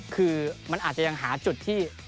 คือมันอาจจะยังหาจุดที่